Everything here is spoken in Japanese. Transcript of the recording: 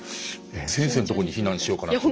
先生のところに避難しようかなと思う。